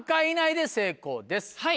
はい。